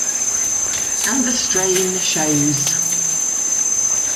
And the strain shows.